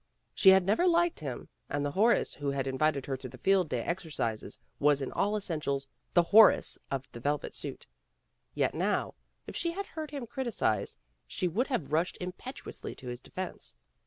She had never liked him, and the Horace who had invited her to the Field Day exercises was in all essentials the Horace of the velvet suit; yet now, if she had heard him criticized, she would have rushed impetuously to his defense.